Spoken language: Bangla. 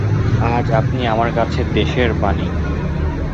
আজ আপনিই আমার কাছে দেশের বাণী।